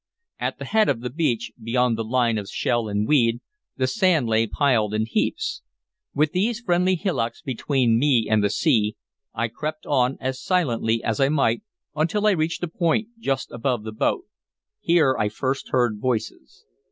At the head of the beach, beyond the line of shell and weed, the sand lay piled in heaps. With these friendly hillocks between me and the sea, I crept on as silently as I might, until I reached a point just above the boat. Here I first heard voices.